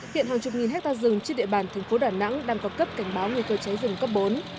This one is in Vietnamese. hiện hàng chục nghìn hectare rừng trên địa bàn thành phố đà nẵng đang có cấp cảnh báo nguy cơ cháy rừng cấp bốn